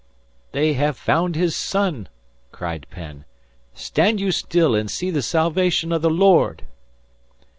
"They have found his son," cried Penn. "Stand you still and see the salvation of the Lord!"